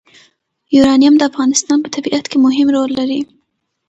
یورانیم د افغانستان په طبیعت کې مهم رول لري.